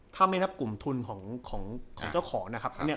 ถ้าไม่นับกลุ่มทุนของเจ้าของนะครับ